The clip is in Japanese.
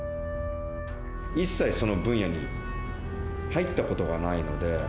一切その分野に入ったことがないので。